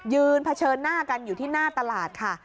เผชิญหน้ากันอยู่ที่หน้าตลาดค่ะ